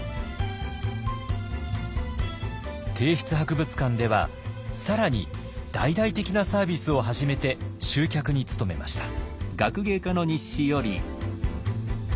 帝室博物館では更に大々的なサービスを始めて集客に努めました。